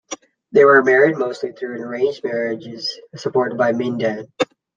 They were married mostly through arranged marriages supported by Mindan.